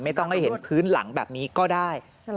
ไม่ต้องให้เห็นพื้นหลังแบบนี้ก็ได้